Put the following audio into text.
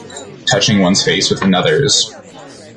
touching one’s face with another’s